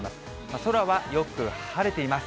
空はよく晴れています。